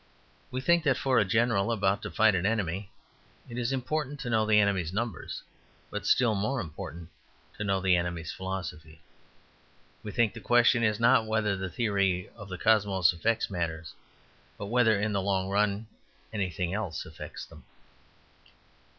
We think that for a general about to fight an enemy, it is important to know the enemy's numbers, but still more important to know the enemy's philosophy. We think the question is not whether the theory of the cosmos affects matters, but whether in the long run, anything else affects them.